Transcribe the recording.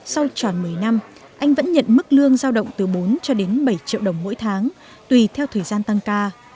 sau tròn một mươi năm anh vẫn nhận mức lương giao động từ bốn cho đến bảy triệu đồng mỗi tháng tùy theo thời gian tăng ca